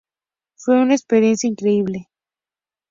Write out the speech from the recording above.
Fue una experiencia increíble.